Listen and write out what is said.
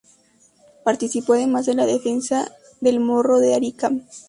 Participó, además, en la defensa del Morro de Arica.